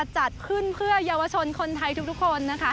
จัดขึ้นเพื่อเยาวชนคนไทยทุกคน